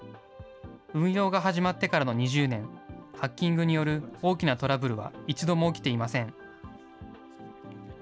運用が始まってからの２０年、ハッキングによる大きなトラブルは一度も起きていません。